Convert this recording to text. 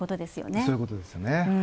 そういうことですね。